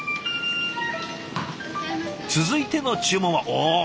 続いての注文はおお！